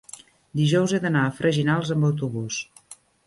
dijous he d'anar a Freginals amb autobús.